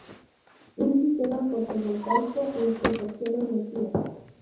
Un sistema fotovoltaico les proporciona energía.